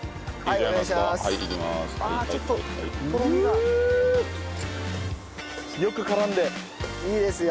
いいですよ。